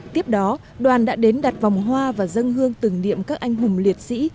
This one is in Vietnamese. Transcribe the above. tiếp đó đoàn đã đến đặt vòng hoa và dân hương tưởng niệm các anh hùng liệt sĩ